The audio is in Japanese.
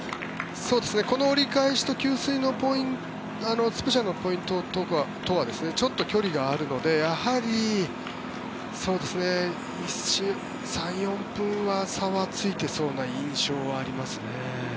この折り返しと給水のスペシャルのポイントとはちょっと距離があるのでやはり、３４分は差がついてそうな印象はありますね。